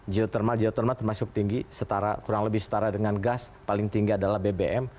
geotermal geothermal termasuk tinggi setara kurang lebih setara dengan gas paling tinggi adalah bbm